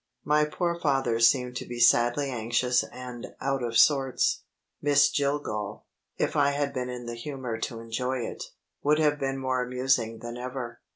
My poor father seemed to be sadly anxious and out of sorts. Miss Jillgall, if I had been in the humor to enjoy it, would have been more amusing than ever.